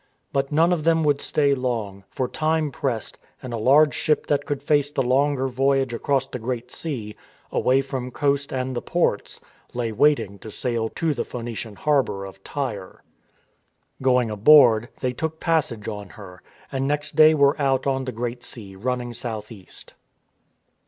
But none of them would stay long, for time pressed and a large ship that could face the longer voyage across the Great Sea, away from coast and the ports, lay waiting to sail to the Phcenician harbour of Tyre. Going aboard, they took passage on her, and next day were out on the Great Sea running south east.